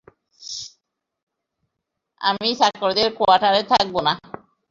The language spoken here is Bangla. আমি চাকরদের, কোয়ার্টারে থাকবো না।